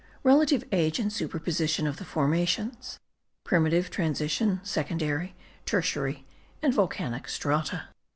RELATIVE AGE AND SUPERPOSITION OF THE FORMATIONS. PRIMITIVE, TRANSITION, SECONDARY, TERTIARY, AND VOLCANIC STRATA.